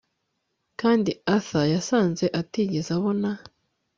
Kandi Arthur yasanze atigeze abona